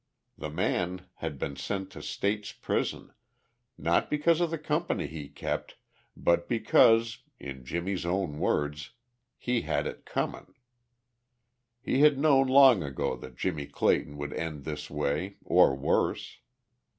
The man had been sent to state's prison, not because of the company he kept, but because, in Jimmie's own words, "he had it comin'." He had known long ago that Jimmie Clayton would end this way, or worse.